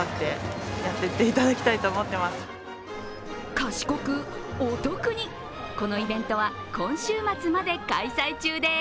賢く、お得に、このイベントは今週末まで開催中です。